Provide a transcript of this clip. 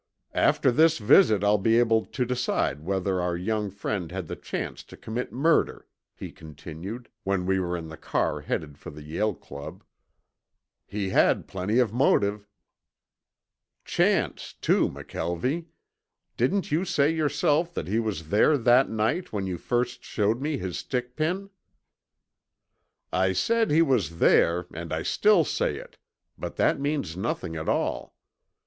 "After this visit I'll be able to decide whether our young friend had the chance to commit murder," he continued when we were in the car headed for the Yale Club. "He had plenty of motive." "Chance, too, McKelvie. Didn't you say yourself that he was there that night when you first showed me his stick pin?" "I said he was there and I still say it, but that means nothing at all.